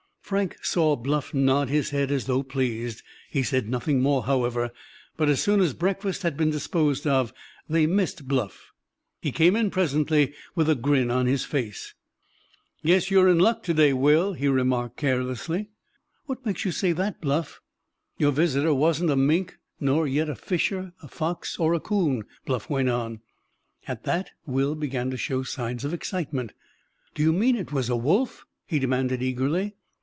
Frank saw Bluff nod his head as though pleased. He said nothing more, however, but as soon as breakfast had been disposed of they missed Bluff. He came in presently with a grin on his face. "Guess you're in luck to day, Will," he remarked carelessly. "What makes you say that, Bluff?" "Your visitor wasn't a mink, nor yet a fisher, a fox, or a 'coon," Bluff went on. At that, Will began to show signs of excitement. "Do you mean it was a wolf?" he demanded eagerly.